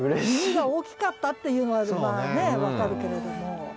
耳が大きかったっていうのはまあね分かるけれども。